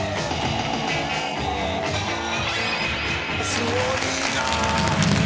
すごいな。